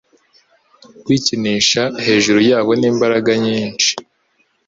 kwikinisha hejuru yabo nimbaraga nyinshi